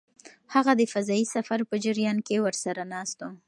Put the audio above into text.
هغه د فضايي سفر په جریان کې ورسره ناست و.